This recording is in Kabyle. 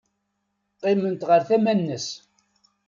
Qqiment ɣer tama-nnes.